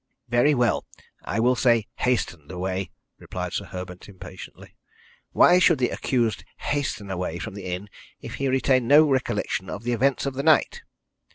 "Very well, I will say hastened away," replied Sir Herbert impatiently. "Why should the accused hasten away from the inn if he retained no recollection of the events of the night?"